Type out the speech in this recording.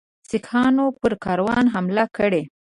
سیکهانو پر کاروان حمله کړې.